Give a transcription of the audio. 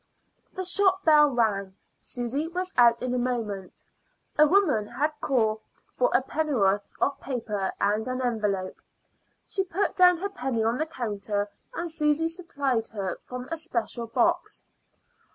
The shop bell rang. Susy was out in a moment. A woman had called for a penn'orth of paper and an envelope. She put down her penny on the counter, and Susy supplied her from a special box.